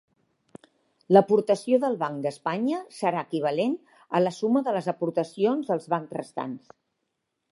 L'aportació del Banc d'Espanya serà equivalent a la suma de les aportacions dels bancs restants.